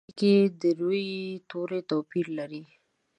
په دې کې د روي توري توپیر لري.